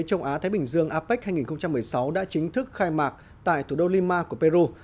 châu á thái bình dương apec hai nghìn một mươi sáu đã chính thức khai mạc tại thủ đô lima của peru